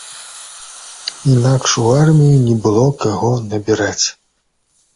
Інакш у армію не было каго набіраць!